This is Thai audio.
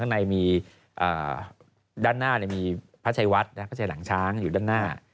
ข้างในมีด้านหน้ามีพระชัยวัดพระชายหลังช้างอยู่ด้านหน้า